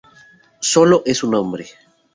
Solo es un hombre.